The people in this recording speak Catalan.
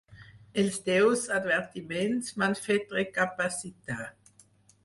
Els teus advertiments m'han fet recapacitar.